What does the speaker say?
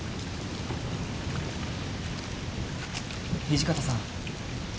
土方さん。